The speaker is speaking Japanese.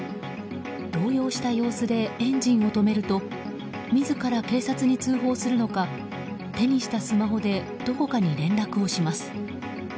動揺した様子でエンジンを止めると自ら警察に通報するのか手にしたスマホでどこかに連絡をします。